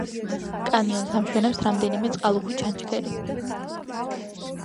კანიონს ამშვენებს რამდენიმე წყალუხვი ჩანჩქერი.